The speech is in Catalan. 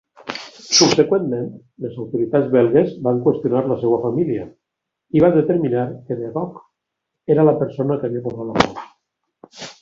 Subseqüentment, les autoritats belgues van qüestionar la seva família i van determinar que Degauque era la persona que havia posat la bomba.